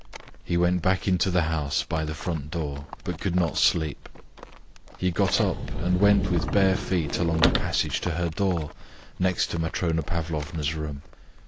He went back into the house by the front door, but could not sleep. He got up and went with bare feet along the passage to her door, next to Matrona Pavlovna's room.